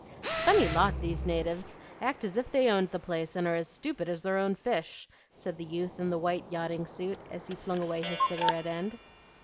"Funny lot, these natives! Act as if they owned the place and are as stupid as their own fish," said the youth in the white yachting suit, as he flung away his cigarette end.